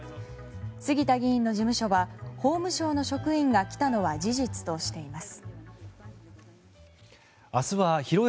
杉田議員の事務所は法務省の職員が来たのは事実としています。